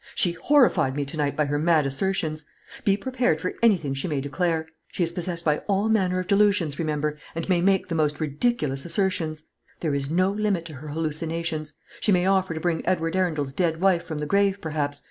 She horrified me to night by her mad assertions. Be prepared for anything she may declare. She is possessed by all manner of delusions, remember, and may make the most ridiculous assertions. There is no limit to her hallucinations. She may offer to bring Edward Arundel's dead wife from the grave, perhaps.